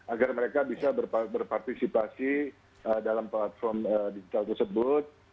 agar mereka bisa berpartisipasi dalam platform digital tersebut